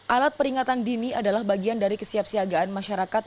alat peringatan dini adalah bagian dari kesiapsiagaan masyarakat